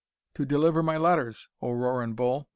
"To deliver my letters, O Roarin' Bull!"